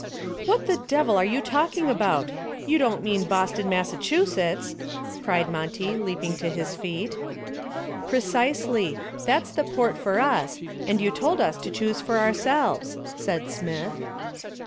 "What the devil are you talking about? You don't mean Boston, Massachusetts?" cried Monty, leaping to his feet. "Precisely. That's the port for us and you told us to choose for ourselves," said Smith.